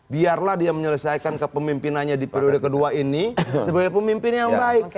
biarlah dia menyelesaikan kepemimpinannya di periode kedua ini sebagai pemimpin yang baik